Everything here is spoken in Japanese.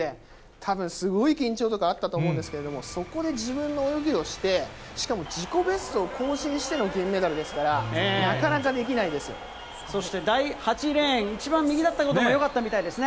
たぶん、すごい緊張感あったと思うんですけど、そこで自分の泳ぎをして、しかも自己ベストを更新しての銀メダルですから、なかなかできなそして第８レーン、一番右だったこともよかったみたいですね。